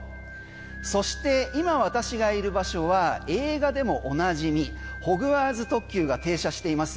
そして、今私がいる場所は映画でもおなじみホグワーツ特急が停車しています